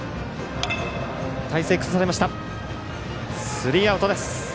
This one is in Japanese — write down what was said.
スリーアウトです。